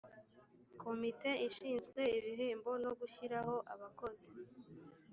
komite ishinzwe ibihembo no gushyiraho abakozi